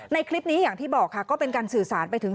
ในคลิปนี้อย่างที่บอกค่ะก็เป็นการสื่อสารไปถึง